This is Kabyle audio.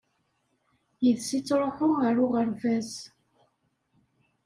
Yid-s i ttṛuḥuɣ ɣer uɣerbaz.